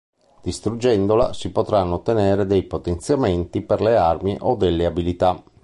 Distruggendola si potranno ottenere dei potenziamenti per le armi o delle abilità.